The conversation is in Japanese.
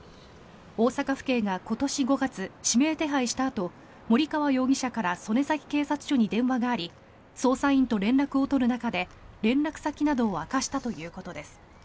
大阪府警が今年５月指名手配したあと森川容疑者から曽根崎警察署に電話があり捜査員と連絡を取る中で連絡先などを明かしたということです。